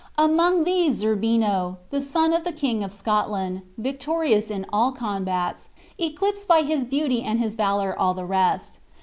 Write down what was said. Among these Zerbino, son of the king of Scotland, victorious in all combats, eclipsed by his beauty and his valor all the rest.